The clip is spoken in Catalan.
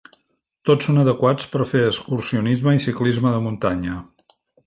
Tots són adequats per fer excursionisme i ciclisme de muntanya.